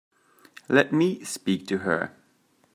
Let me speak to her.